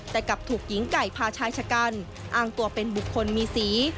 แต่กลับถูกหญิงไก่พาชายชะกันอ้างตัวเป็นบุคคลมีสี